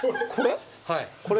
これ？